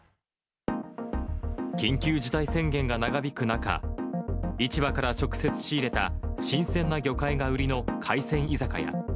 緊急事態宣言が長引く中、市場から直接仕入れた新鮮な魚介が売りの海鮮居酒屋。